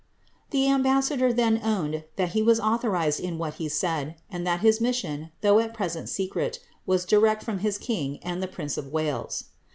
' The ambassador then owned that he was authorized in what he said ; and that his mission, though at present secret, was direct from his king and the prince of Wales.